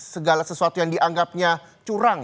segala sesuatu yang dianggapnya curang